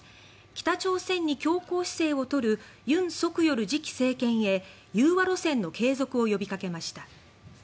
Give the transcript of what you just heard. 北朝鮮に強硬姿勢を取る尹錫悦次期政権へ融和路線の継続を呼びかけました。